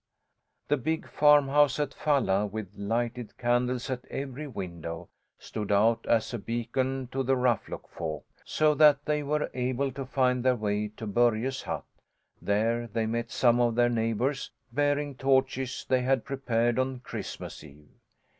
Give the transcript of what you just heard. The big farmhouse at Falla, with lighted candles at every window, stood out as a beacon to the Ruffluck folk, so that they were able to find their way to Börje's hut; there they met some of their neighbours, bearing torches they had prepared on Christmas Eve.